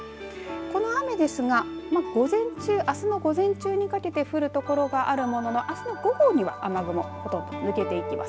この雨ですが午前中、あすの午前中にかけて降る所があるもののあすの午後には雨雲ほぼ抜けていきます。